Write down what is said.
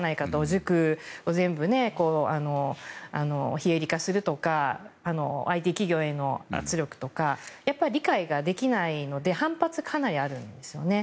塾を全部非営利化するとかＩＴ企業への圧力とか理解ができないので反発はかなりあるんですよね。